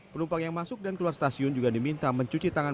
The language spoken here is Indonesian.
penumpang yang masuk dan keluar stasiun juga diminta mencuci tangan